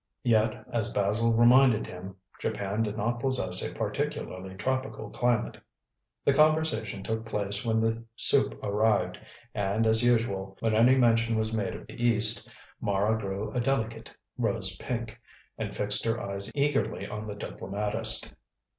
Yet, as Basil reminded him, Japan did not possess a particularly tropical climate. The conversation took place when the soup arrived, and, as usual, when any mention was made of the East, Mara grew a delicate rose pink, and fixed her eyes eagerly on the diplomatist.